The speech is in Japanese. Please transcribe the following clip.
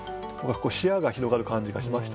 視野が広がる感じがしましたね。